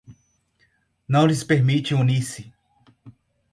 não lhes permite unir-se